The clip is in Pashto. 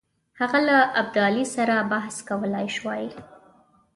هغه له ابدالي سره بحث کولای سوای.